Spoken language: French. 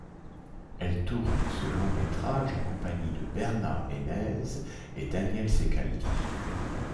Elle tourne ce long métrage en compagnie de Bernard Ménez et Daniel Ceccaldi.